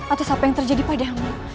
atas apa yang terjadi padamu